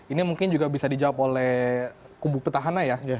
ini mungkin juga bisa dijawab oleh kubu petahana ya